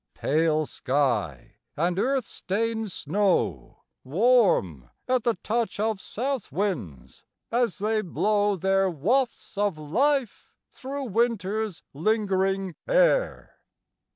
Pale sky and earth stained snow Warm at the touch of south winds as they blow Their wafts of life through winter's lingering air.